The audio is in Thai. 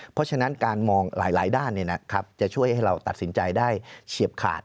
เพราะฉะนั้นการมองหลายด้านจะช่วยให้เราตัดสินใจได้เฉียบขาด